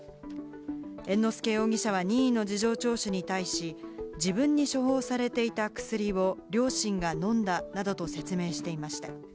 猿之助容疑者は任意の事情聴取に対し、自分に処方されていた薬を両親が飲んだなどと説明したと言いました。